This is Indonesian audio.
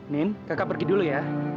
nin kakak pergi dulu ya